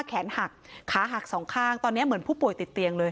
แขนหักขาหักสองข้างตอนนี้เหมือนผู้ป่วยติดเตียงเลย